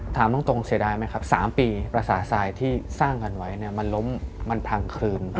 ถามตรงเสียดายไหมครับ๓ปีภาษาทรายที่สร้างกันไว้มันล้มมันพังคลืน